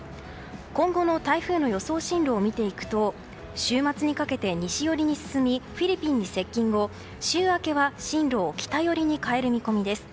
今後の台風の予想進路を見ていくと週末にかけて西寄りに進みフィリピンに接近後週明けは進路を北寄りに変える見込みです。